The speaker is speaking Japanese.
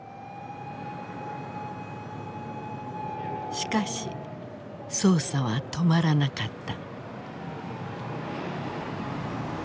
しかし捜査は止まらなかった。